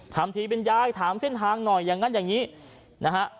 ทำทีเป็นยายถามเส้นทางหน่อยอย่างนั้นอย่างนี้นะฮะ